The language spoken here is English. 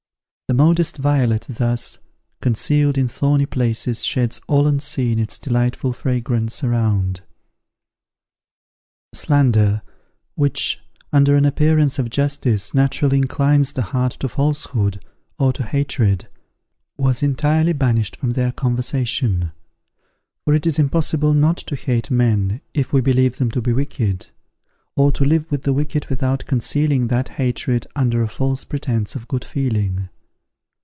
The modest violet thus, concealed in thorny places sheds all unseen its delightful fragrance around. Slander, which, under an appearance of justice, naturally inclines the heart to falsehood or to hatred, was entirely banished from their conversation; for it is impossible not to hate men if we believe them to be wicked, or to live with the wicked without concealing that hatred under a false pretence of good feeling.